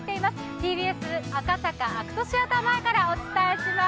ＴＢＳ赤坂ＡＣＴシアター前からお伝えします。